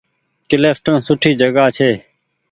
ڪلڦٽن سوٺي جگآ ڇي۔